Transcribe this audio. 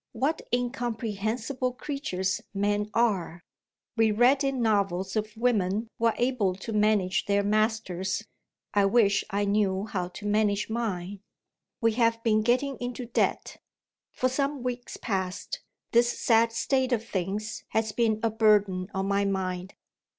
What incomprehensible creatures men are! We read in novels of women who are able to manage their masters. I wish I knew how to manage mine. We have been getting into debt. For some weeks past, this sad state of things has been a burden on my mind.